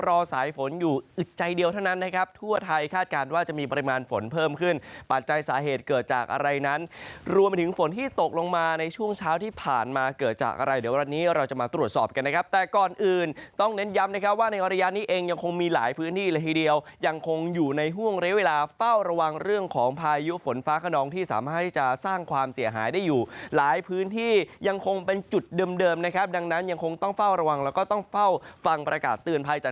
เราจะมาตรวจสอบกันนะครับแต่ก่อนอื่นต้องเน้นย้ำนะครับว่าในอรยะนี้เองยังคงมีหลายพื้นที่ละทีเดียวยังคงอยู่ในห้วงเรียวเวลาเฝ้าระวังเรื่องของพายุฝนฟ้าขนองที่สามารถที่จะสร้างความเสียหายได้อยู่หลายพื้นที่ยังคงเป็นจุดเดิมนะครับดังนั้นยังคงต้องเฝ้าระวังแล้วก็ต้องเฝ้าฟังประกาศต